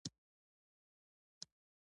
هرات، بلخ او کندز کې